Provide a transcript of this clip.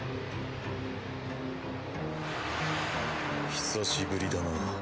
久しぶりだな